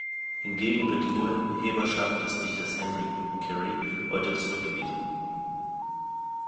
Hingegen wird die Urheberschaft des Dichters Henry Carey heute zurückgewiesen.